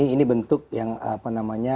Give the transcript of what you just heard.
ini bentuk yang apa namanya